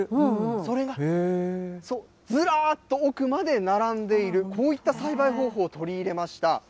それが、ずらーっと奥まで並んでいる、こういった栽培方法を取り入れました。